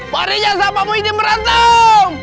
pak rijal siapa yang mau merantem